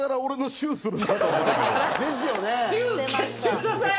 臭消してください。